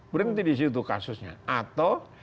berhenti di situ kasusnya atau